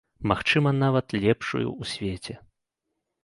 Магчыма, нават, лепшую ў свеце.